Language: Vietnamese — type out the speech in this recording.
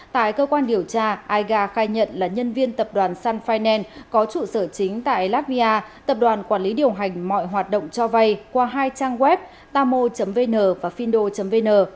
tại cơ quan điều tra aiga khai nhận là nhân viên tập đoàn sun finance có trụ sở chính tại latvia tập đoàn quản lý điều hành mọi hoạt động cho vay qua hai trang web tamo vn và findo vn